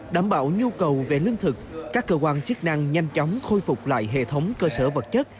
đảm bảo nhu cầu về lương thực các cơ quan chức năng nhanh chóng khôi phục lại hệ thống cơ sở vật chất